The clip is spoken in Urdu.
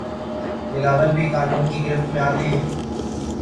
بلاول بھی قانون کی گرفت میں آتے ہیں